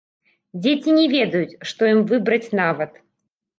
Дзеці не ведаюць, што ім выбраць нават!